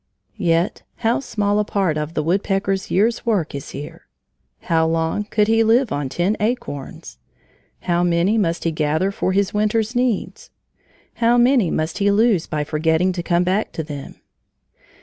Yet how small a part of the woodpecker's year's work is here! How long could he live on ten acorns? How many must he gather for his winter's needs? How many must he lose by forgetting to come back to them?